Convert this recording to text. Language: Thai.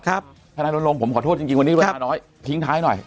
ทนายรณรงค์ผมขอโทษจริงวันนี้เวลาน้อยทิ้งท้ายหน่อย